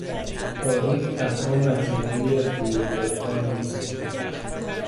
تاریخ تنها مجموعهای از رویدادها نیست.